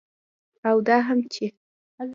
او دا هم چې